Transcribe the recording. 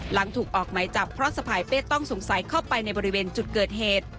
หลังถูกออกไหมจับเพราะสะพายเป้ต้องสงสัยเข้าไปในบริเวณจุดเกิดเหตุ